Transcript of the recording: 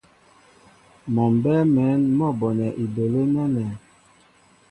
Mɔ mbɛ́ɛ́ mɛ̌n mɔ́ bonɛ ibələ́ nɛ́nɛ́.